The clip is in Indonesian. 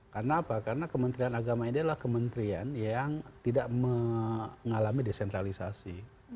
karena apa karena kementerian agama ini adalah kementerian yang tidak mengalami desentralisasi